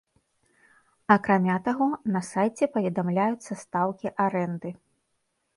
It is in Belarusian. Акрамя таго, на сайце паведамляюцца стаўкі арэнды.